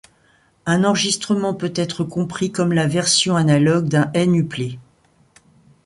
Un enregistrement peut-être compris comme la version analogue d'une n-uplet.